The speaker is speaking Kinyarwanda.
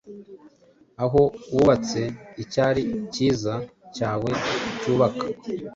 Aho wubatse icyari cyiza cyawe cyubaka,